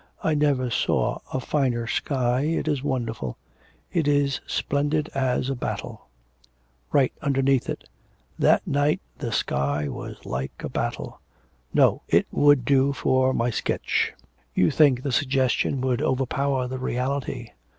I never saw a finer sky, it is wonderful. It is splendid as a battle'... 'Write underneath it, "That night the sky was like a battle."' 'No, it would do for my sketch.' 'You think the suggestion would overpower the reality....